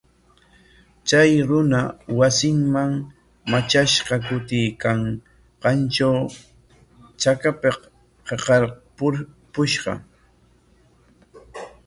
Chay runa wasinman matrashqa kutiykanqantraw chakapik hiqarpushqa.